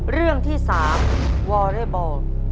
เรื่องที่๓วอเรย์บอล